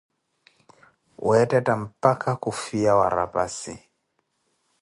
Weethetha mpakah khu fiya wa rapassi